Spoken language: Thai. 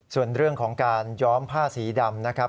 ส่วนเรื่องของการย้อมผ้าสีดำนะครับ